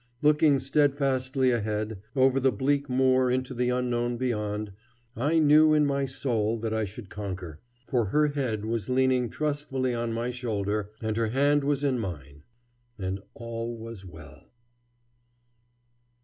Looking steadfastly ahead, over the bleak moor into the unknown beyond, I knew in my soul that I should conquer. For her head was leaning trustfully on my shoulder and her hand was in mine; and all was well.